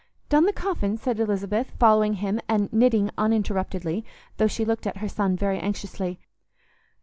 "Done the coffin?" said Lisbeth, following him, and knitting uninterruptedly, though she looked at her son very anxiously.